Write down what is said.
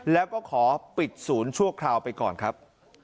แล้วก็ขอปิดศูนย์ชั่วคราวไปก่อนครับ